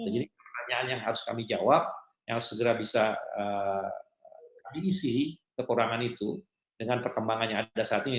jadi pertanyaan yang harus kami jawab yang segera bisa kami isi kekurangan itu dengan perkembangan yang ada saat ini